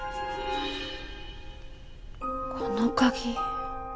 この鍵。